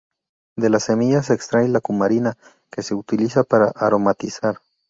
De las semillas se extrae la cumarina que se utiliza para aromatizar.